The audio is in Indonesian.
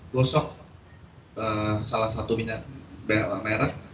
gosok salah satu minyak merah